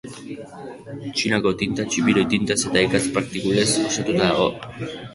Txinako tinta txipiroi tintaz eta ikatz partikulez osatuta dago.